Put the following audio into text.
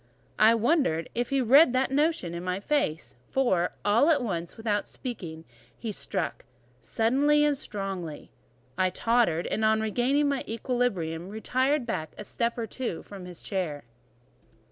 I wonder if he read that notion in my face; for, all at once, without speaking, he struck suddenly and strongly. I tottered, and on regaining my equilibrium retired back a step or two from his chair.